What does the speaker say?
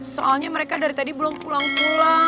soalnya mereka dari tadi belum pulang pulang